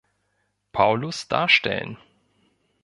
Paulus darstellen.